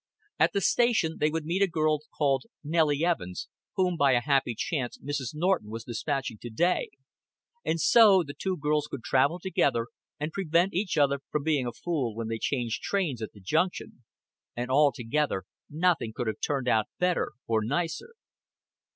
At the station they would meet a girl called Nellie Evans, whom by a happy chance Mrs. Norton was despatching to day; and so the two girls could travel together, and prevent each other from being a fool when they changed trains at the junction; and altogether nothing could have turned out better or nicer.